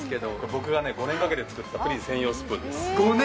僕が５年かけて作った、プリン専用スプーンです。